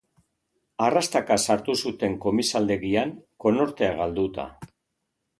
Arrastaka sartu zuten komisaldegian, konortea galduta.